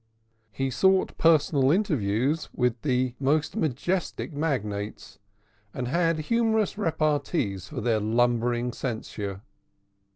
He sought personal interviews with the most majestic magnates, and had humorous repartees for their lumbering censure.